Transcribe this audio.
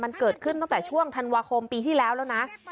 มันเกิดขึ้นตั้งแต่ช่วงธันวาคมปีที่แล้วแล้วนะ